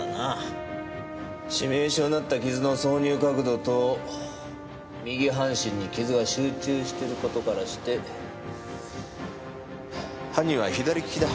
致命傷になった傷の挿入角度と右半身に傷が集中してる事からして犯人は左利きだ。